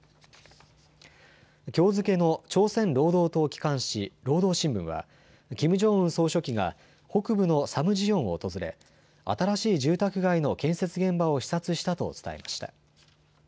きょう付けの朝鮮労働党機関紙、労働新聞はキム・ジョンウン総書記が北部のサムジヨンを訪れ新しい住宅街の建設現場を視察したと伝えました。